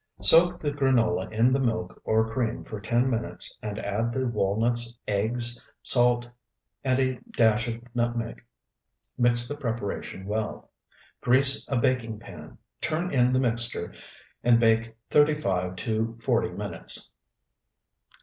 Soak the granola in the milk or cream for ten minutes and add the walnuts, eggs, salt, and a dash of nutmeg. Mix the preparation well. Grease a baking pan, turn in the mixture, and bake thirty five to forty minutes.